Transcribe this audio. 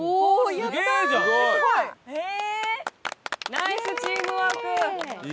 ナイスチームワーク！